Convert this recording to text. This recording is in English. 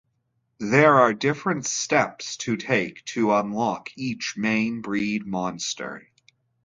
There are different steps to take to unlock each main breed monster.